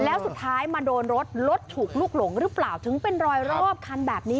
แล้วสุดท้ายมาโดนรถรถถูกลุกหลงหรือเปล่าถึงเป็นรอยรอบคันแบบนี้